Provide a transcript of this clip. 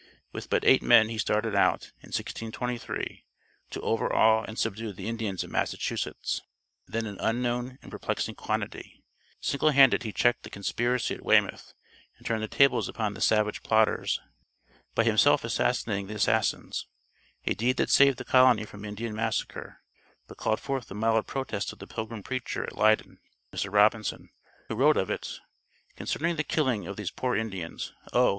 With but eight men he started out, in 1623, to overawe and subdue the Indians of Massachusetts then an unknown and perplexing quantity; single handed he checked the conspiracy at Weymouth and turned the tables upon the savage plotters, by himself assassinating the assassins a deed that saved the colony from Indian massacre, but called forth the mild protest of the Pilgrim preacher at Leyden, Mr. Robinson, who wrote of it: "Concerning the killing of these poor Indians, oh!